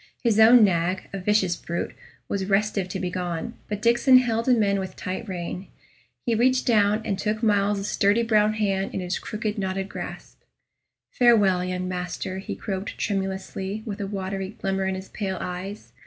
His own nag, a vicious brute, was restive to be gone, but Diccon held him in with tight rein. He reached down, and took Myles's sturdy brown hand in his crooked, knotted grasp. "Farewell, young master," he croaked, tremulously, with a watery glimmer in his pale eyes.